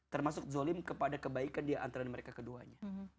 termasuk zolim kepada kebaikan di antara mereka keduanya